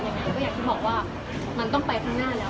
เพราะว่าเหมือนเราก็คิดว่ามันไม่คิดว่าจะเจอเหตุการณ์เลย